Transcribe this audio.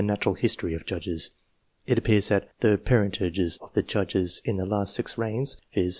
natural history " of Judges. It appears that the parentage of the Judges in the last six reigns, viz.